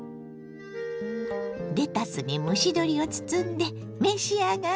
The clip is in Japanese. レタスに蒸し鶏を包んで召し上がれ。